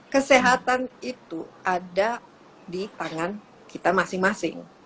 kesehatan itu ada di tangan kita masing masing